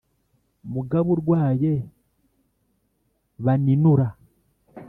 Mugabo urwaye baninura